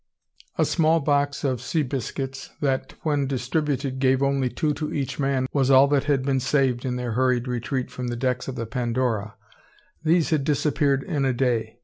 A small box of sea biscuits, that, when distributed, gave only two to each man, was all that had been saved in their hurried retreat from the decks of the Pandora. These had disappeared in a day.